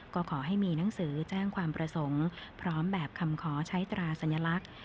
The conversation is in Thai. ก็ขอให้มีหนังสือแจ้งความประสงค์พร้อมแบบคำขอใช้ตราสัญลักษณ์